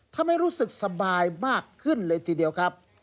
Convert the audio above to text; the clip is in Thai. ทำให้รู้สึกสบายมากขึ้นเลยทีเดียวครับ